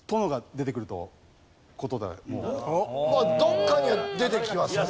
どっかには出てきますよね。